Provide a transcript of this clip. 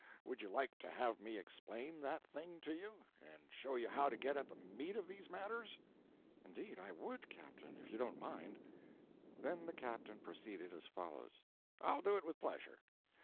Would you like to have me explain that thing to you, and show you how to get at the meat of these matters?" "Indeed, I would, captain, if you don't mind." Then the captain proceeded as follows: "I'll do it with pleasure.